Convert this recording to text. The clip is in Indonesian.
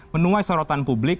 menungai sorotan publik